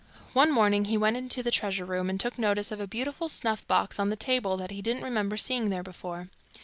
One morning he went into the treasure room, and took notice of a beautiful snuff box on the table that he didn't remember seeing there before.